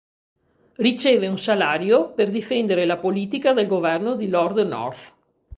Riceve un salario per difendere la politica del governo di Lord North.